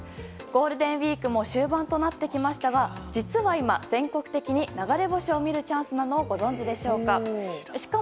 ゴールデンウィークも終盤となってきましたが実は今、全国的に流れ星を見るチャンスなのをご存じでしょうか。